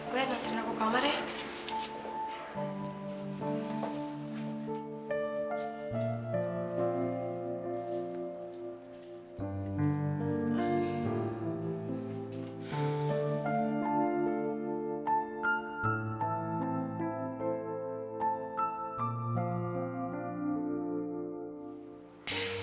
gue liat nantinya aku di kamar ya